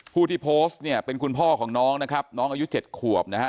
ผู้ที่โพสต์เนี่ยเป็นคุณพ่อของน้องนะครับน้องอายุ๗ขวบนะฮะ